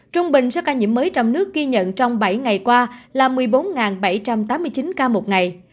trung bình số ca nhiễm mới trong nước ghi nhận trong bảy ngày qua là một mươi bốn bảy trăm tám mươi chín ca một ngày